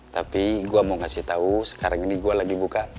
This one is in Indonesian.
tapi gue mau kasih tahu sekarang ini gue lagi buka